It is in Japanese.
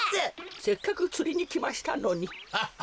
せっかくつりにきましたのに。